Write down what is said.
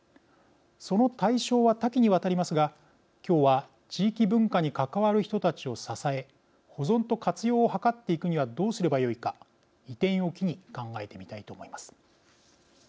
その対象は多岐にわたりますが今日は、地域文化に関わる人たちを支え保存と活用を図っていくにはどうすればよいか移転を機に考えてみたいと思います。